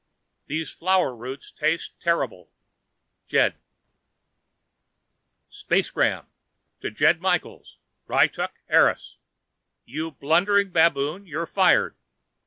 These flower roots taste terrible. Jed SPACEGRAM To: Jed Michaels, Ryttuk, Eros YOU BLUNDERING BABOON, YOU'RE FIRED.